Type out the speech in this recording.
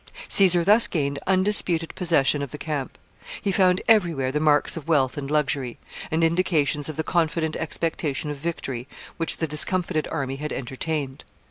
Caesar thus gained undisputed possession of the camp. He found every where the marks of wealth and luxury, and indications of the confident expectation of victory which the discomfited army had entertained.